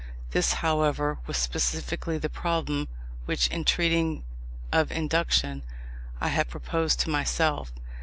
This, however, was specifically the problem, which, in treating of Induction, I had proposed to myself.